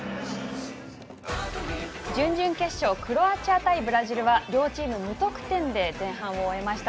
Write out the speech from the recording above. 準々決勝クロアチア対ブラジルは両チーム無得点で前半を終えました。